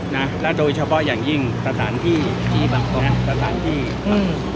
นะแล้วโดยเฉพาะอย่างยิ่งสถานที่ที่นะสถานที่อืม